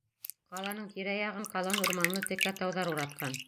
Ҡаланың тирә-яғын ҡалын урманлы текә тауҙар уратҡан.